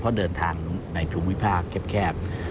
เพราะเดินทางในถุงวิพากษ์แคบ